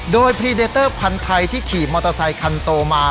โดยพรีเดเตอร์พันธุ์ไทยที่ขี่มอเตอร์ไซคันโตมา